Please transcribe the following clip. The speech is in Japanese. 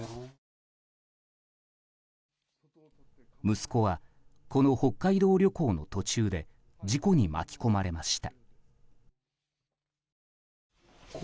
息子はこの北海道旅行の途中で事故に巻き込まれました。